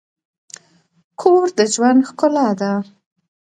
کور د ژوند ښکلا ده.